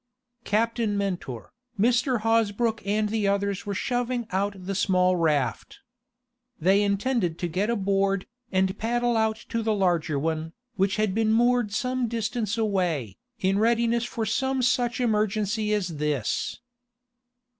Captain Mentor, Mr. Hosbrook and the others were shoving out the small raft. They intended to get aboard, and paddle out to the larger one, which had been moored some distance away, in readiness for some such emergency as this.